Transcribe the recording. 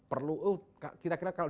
perlu kira kira kalau